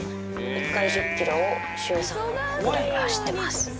１回１０キロを週３ぐらいで走ってます。